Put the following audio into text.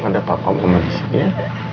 ada papa mama disini ya